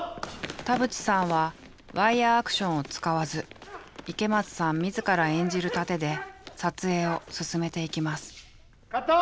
田渕さんはワイヤーアクションを使わず池松さん自ら演じる殺陣で撮影を進めていきます。